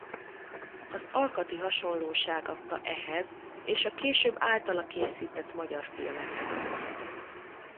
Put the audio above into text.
Az alkati hasonlóság adta ehhez és a később általa készített magyar filmekhez az ötletet.